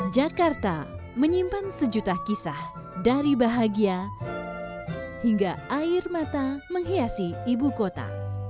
jakarta menyimpan sejuta kisah dari bahagia hingga air mata menghiasi ibu kota